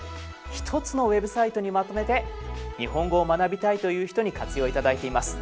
一つのウェブサイトにまとめて「日本語を学びたい」という人に活用いただいています。